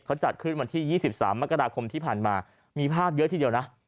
เขาจัดขึ้นวันที่๒๓มกราคมที่ผ่านมามีภาพเยอะทีเดียวนะ